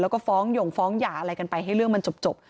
แล้วก็ฟ้องหย่งฟ้องหย่าอะไรกันไปให้เรื่องมันจบ